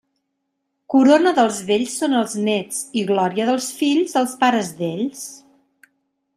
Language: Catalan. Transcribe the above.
Corona dels vells són els néts i glòria dels fills els pares d'ells.